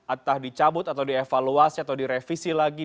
atau dicabut atau dievaluasi atau direvisi lagi